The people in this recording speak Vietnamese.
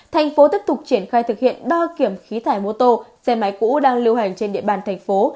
thành phố tiếp tục triển khai thực hiện đo kiểm khí thải mô tô xe máy cũ đang lưu hành trên địa bàn thành phố